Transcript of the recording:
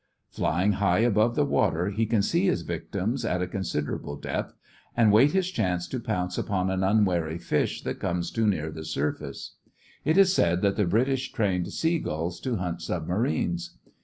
Flying high above the water, he can see his victims at a considerable depth, and wait his chance to pounce upon an unwary fish that comes too near the surface. It is said that the British trained sea gulls to hunt submarines.